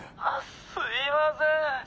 あっすいません。